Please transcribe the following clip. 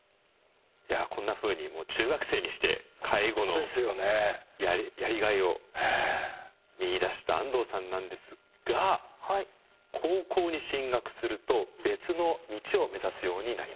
いやこんなふうにもう中学生にして介護のやりがいを見いだした安藤さんなんですが高校に進学すると別の道を目指すようになります。